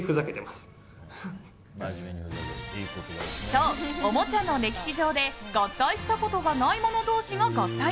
そう、おもちゃの歴史上で合体したことがないもの同士が合体。